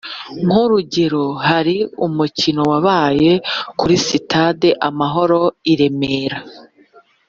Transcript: Nkurugero hari umukino wabaye kuri sitade amahoro iremera